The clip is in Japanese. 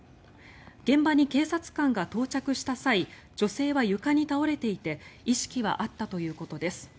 現場に警察官が到着した際女性は床に倒れていて意識はあったということです。